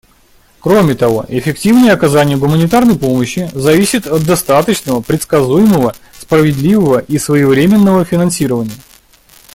Кроме того, эффективное оказание гуманитарной помощи зависит от достаточного, предсказуемого, справедливого и своевременного финансирования.